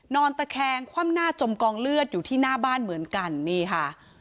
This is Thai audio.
นอนตะแคงคว่ำหน้าจมกองเลือดอยู่ที่หน้าบ้านเหมือนกันนี่ค่ะ